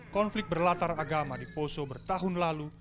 konflik berlatar agama di poso bertahun lalu